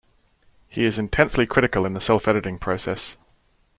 He is intensely critical in the self-editing process.